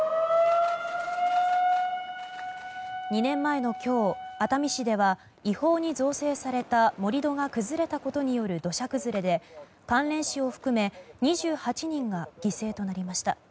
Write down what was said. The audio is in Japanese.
２年前の今日熱海市では違法に造成された盛り土が崩れたことによる土砂崩れで、関連死を含め２８人が犠牲となりました。